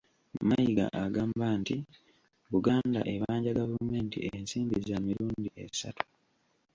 Mayiga agamba nti Buganda ebanja gavumenti ensimbi za mirundi esatu